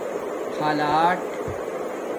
خلاٹ